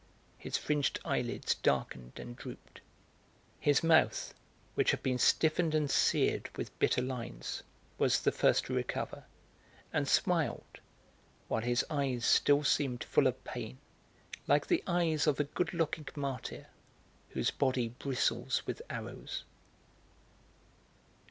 His fringed eyelids darkened, and drooped. His mouth, which had been stiffened and seared with bitter lines, was the first to recover, and smiled, while his eyes still seemed full of pain, like the eyes of a good looking martyr whose body bristles with arrows.